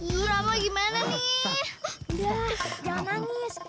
udah jangan nangis